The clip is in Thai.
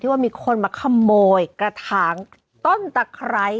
ว่ามีคนมาขโมยกระถางต้นตะไคร้